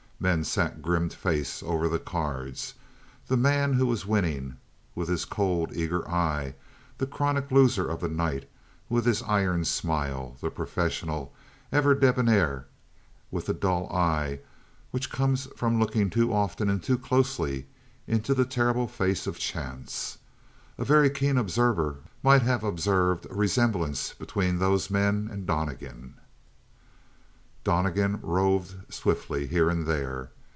Men sat grim faced over the cards, the man who was winning, with his cold, eager eye; the chronic loser of the night with his iron smile; the professional, ever debonair, with the dull eye which comes from looking too often and too closely into the terrible face of chance. A very keen observer might have observed a resemblance between those men and Donnegan. Donnegan roved swiftly here and there.